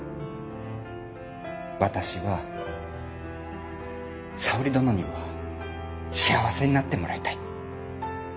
私は沙織殿には幸せになってもらいたい。